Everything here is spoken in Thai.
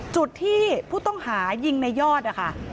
จุดที่ผู้ต้องหายิงในยอดนะคะ